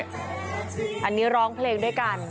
อันนี้ร้องเพลงด้วยกัน